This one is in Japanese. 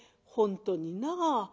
「本当にな」。